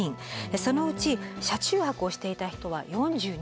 そのうち車中泊をしていた人は４２人。